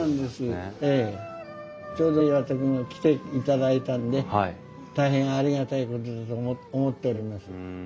ちょうど岩田君が来ていただいたんで大変ありがたいことだと思っております。